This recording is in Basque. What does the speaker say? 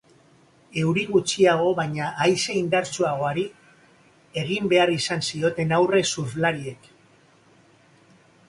Euri gutxiago baina haize indartsuagoari egin behar izan zioten aurre surflariek.